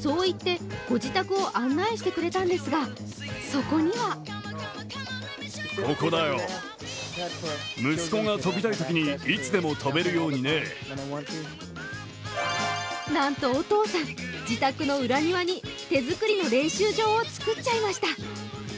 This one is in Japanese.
そう言ってご自宅を案内してくれたのですが、そこにはなんとお父さん、自宅の裏庭に手作りの練習場をつくっちゃいました。